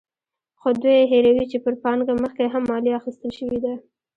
خو دوی هېروي چې پر پانګه مخکې هم مالیه اخیستل شوې ده.